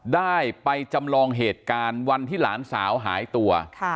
ได้ไปจำลองเหตุการณ์วันที่หลานสาวหายตัว